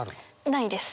ないです。